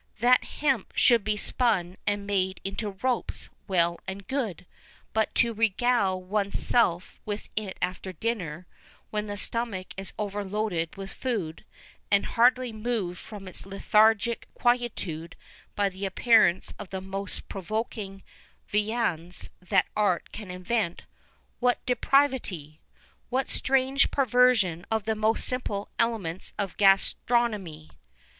[VI 18] That hemp should be spun and made into ropes, well and good; but to regale one's self with it after dinner, when the stomach is overloaded with food, and hardly moved from its lethargic quietude by the appearance of the most provoking viands that art can invent what depravity! What strange perversion of the most simple elements of gastronomy!